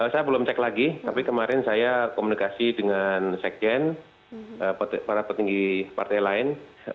saya belum cek lagi tapi kemarin saya komunikasi dengan sekjen para petinggi partai lain